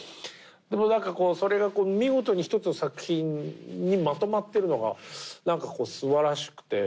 でもなんかこうそれが見事に一つの作品にまとまってるのがなんか素晴らしくて。